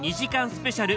スペシャル」